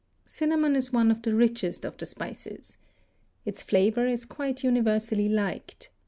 Cinnamon is one of the richest of the spices. Its flavor is quite universally liked.